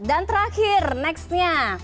dan terakhir nextnya